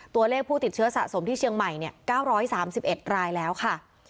ตัวเลขผู้ติดเชื้อสะสมที่เชียงใหม่๙๓๑รายแล้วค่ะ